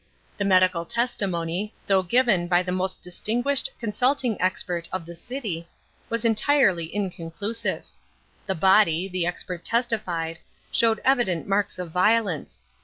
The medical testimony, though given by the most distinguished consulting expert of the city, was entirely inconclusive. The body, the expert testified, showed evident marks of violence.